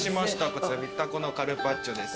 こちら水タコのカルパッチョです。